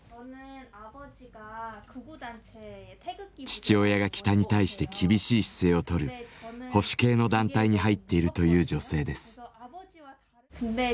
父親が北に対して厳しい姿勢をとる保守系の団体に入っているという女性です。